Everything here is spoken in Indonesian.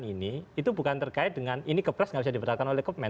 ini bukan terkait dengan ini kepres nggak bisa di batalkan oleh kepres